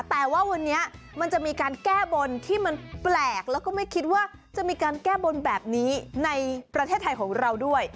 แต่ว่าวันนี้มันจะมีการแก้บนที่มันแปลกแล้วก็ไม่คิดว่าจะมีการแก้บนแบบนี้ในประเทศไทยของเราด้วย